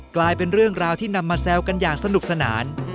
กลายเป็นเรื่องราวที่นำมาแซวกันอย่างสนุกสนาน